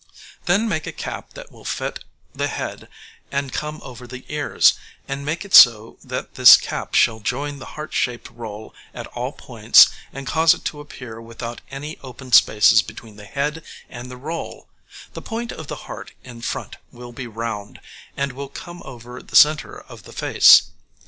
Then make a cap that will fit the head and come over the ears, and make it so that this cap shall join the heart shaped roll at all points and cause it to appear without any open spaces between the head and the roll; the point of the heart in front will be round, and will come over the centre of the face.